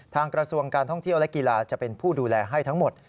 กระทรวงการท่องเที่ยวและกีฬาจะเป็นผู้ดูแลให้ทั้งหมด